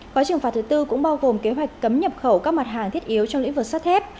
gói trừng phạt thứ tư cũng bao gồm kế hoạch cấm nhập khẩu các mặt hàng thiết yếu trong lĩnh vực sắt thép